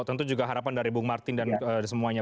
tentu juga harapan dari bung martin dan semuanya